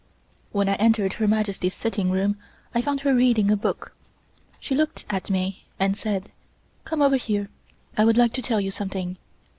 When I entered Her Majesty's sitting room I found her reading a book. She looked at me and said: "Come over here, I would like to tell you something.